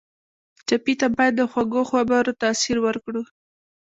ټپي ته باید د خوږو خبرو تاثیر ورکړو.